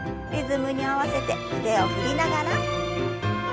リズムに合わせて腕を振りながら。